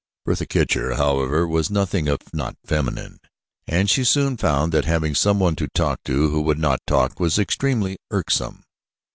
Bertha Kircher, however, was nothing if not feminine and she soon found that having someone to talk to who would not talk was extremely irksome.